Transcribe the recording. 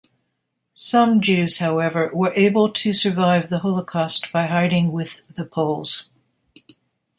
Some Jews, however, were able to survive the Holocaust by hiding with the Poles.